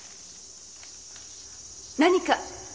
何か？